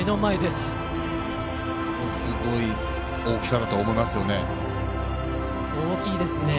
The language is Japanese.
すごい大きさだと思いますね。